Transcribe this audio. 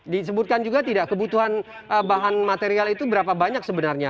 disebutkan juga tidak kebutuhan bahan material itu berapa banyak sebenarnya